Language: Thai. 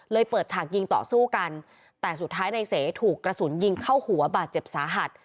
เปิดฉากยิงต่อสู้กันแต่สุดท้ายนายเสถูกกระสุนยิงเข้าหัวบาดเจ็บสาหัส